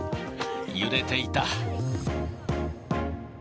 揺れていた。